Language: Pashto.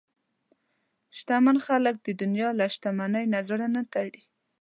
شتمن خلک د دنیا له شتمنۍ نه زړه نه تړي.